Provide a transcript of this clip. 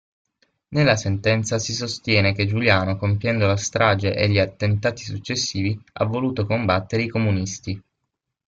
Nella sentenza si sostiene che Giuliano compiendo la strage e gli attentati successivi ha voluto combattere i comunisti.